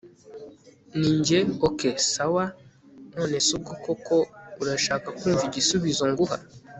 Njye ok sawa none se ubwo koko urashaka kumva igisubizo nguha